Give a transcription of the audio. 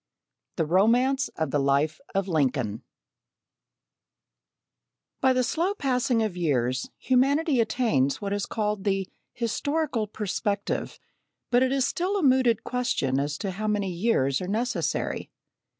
The Romance of the Life of Lincoln By the slow passing of years humanity attains what is called the "historical perspective," but it is still a mooted question as to how many years are necessary.